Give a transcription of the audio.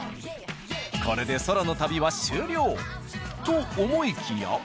これで空の旅は終了。と思いきや！